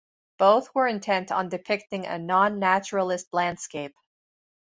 Both were intent on depicting a "non-naturalist landscape".